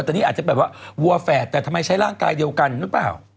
แต่นี่อาจจะแบบว่าวัวแฝดแต่ทำไมใช้ร่างกายเดียวกันหรือเปล่า